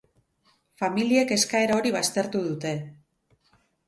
Familiek eskaera hori baztertu dute.